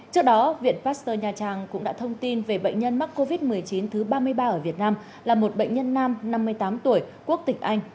trước đó viện pasteur nha trang cũng đã thông tin về bệnh nhân mắc covid một mươi chín thứ ba mươi ba ở việt nam là một bệnh nhân nam năm mươi tám tuổi quốc tịch anh